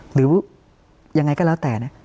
หรือยังไงก็แล้วแต่